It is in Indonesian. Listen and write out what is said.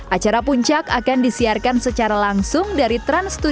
acara puncak akan disiarkan secara langsung dari trans studio